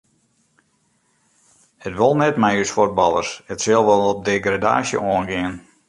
It wol net mei ús fuotballers, it sil wol op degradaasje oangean.